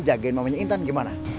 jagain mamanya intan gimana